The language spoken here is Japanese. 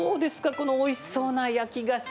このおいしそうな焼き菓子。